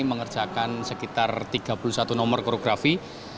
mengerjakan sekitar tiga puluh satu nomor korografi